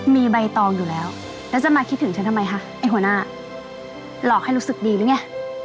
มีใบตองอยู่แล้วแล้วจะมาคิดถึงฉันทำไมคะไอ้หัวหน้าหลอกให้รู้สึกดีหรือไง